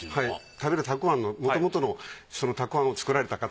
食べるたくあんのもともとのそのたくあんを作られた方。